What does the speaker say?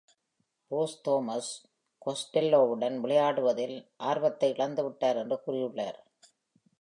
Bruce Thomas கோஸ்டெல்லோவுடன் விளையாடுவதில் ஆர்வத்தை இழந்துவிட்டார் என்று கூறியுள்ளார்.